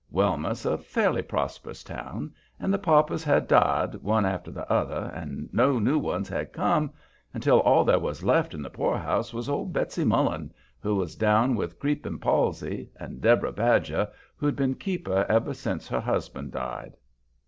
Wellmouth's a fairly prosperous town, and the paupers had died, one after the other, and no new ones had come, until all there was left in the poorhouse was old Betsy Mullen, who was down with creeping palsy, and Deborah Badger, who'd been keeper ever since her husband died.